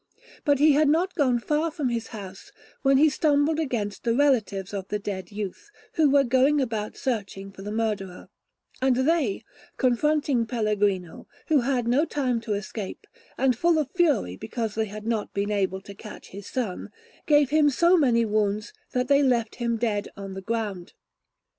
But he had not gone far from his house, when he stumbled against the relatives of the dead youth, who were going about searching for the murderer; and they, confronting Pellegrino, who had no time to escape, and full of fury because they had not been able to catch his son, gave him so many wounds that they left him dead on the ground.